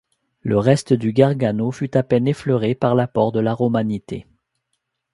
Le reste du Gargano fut à peine effleuré par l'apport de la romanité.